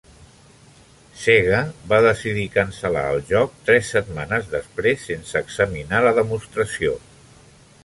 Sega va decidir cancel·lar el joc tres setmanes després sense examinar la demostració.